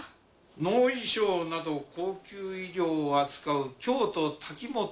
能衣装など高級衣料を扱う京都タキモト